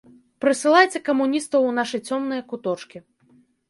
Прысылайце камуністаў у нашы цёмныя куточкі.